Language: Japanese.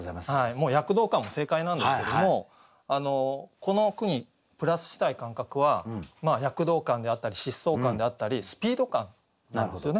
もう躍動感も正解なんですけどもこの句にプラスしたい感覚は躍動感であったり疾走感であったりスピード感なんですよね。